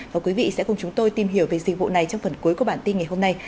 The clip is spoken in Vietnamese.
và quý vị sẽ cùng chúng tôi tìm hiểu về dịch vụ này trong phần cuối của bản tin ngày hôm nay